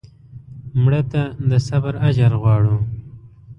مړه ته د صبر اجر غواړو